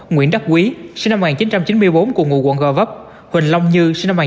nguyễn đắc quý huỳnh long như